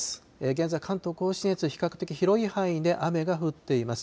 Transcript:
現在、関東甲信越、比較的広い範囲で雨が降っています。